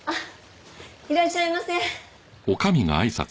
いらっしゃいませ。